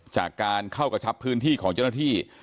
จากการเข้ากระชับพื้นที่ของเจ้าหน้าที่